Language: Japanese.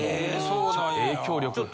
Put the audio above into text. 影響力で。